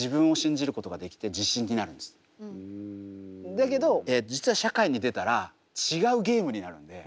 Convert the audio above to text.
だけど実は社会に出たら違うゲームになるんで。